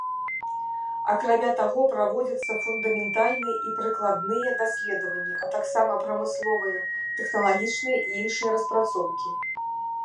Акрамя таго, праводзяцца фундаментальныя і прыкладныя даследаванні, а таксама прамысловыя, тэхналагічныя і іншыя распрацоўкі.